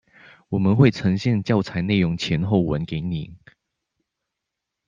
我們會呈現教材內容前後文給您